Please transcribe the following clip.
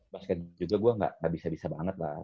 basket juga gue gak bisa bisa banget lah